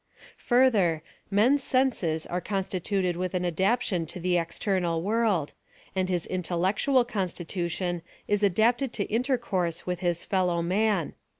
Further; man's senses are constituted with an adaptation to the external world ; and his intellec tual constitution is adapted to intercourse with his fellow man.